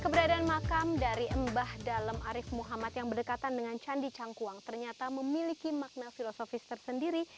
keberadaan makam dari mbah dalem arif muhammad yang berdekatan dengan candi cangkuang ternyata memiliki makna filosofis tersendiri